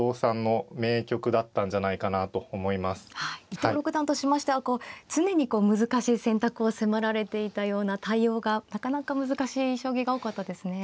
伊藤六段としましてはこう常に難しい選択を迫られていたような対応がなかなか難しい将棋が多かったですね。